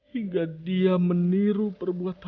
hingga dia meniru perbuatanku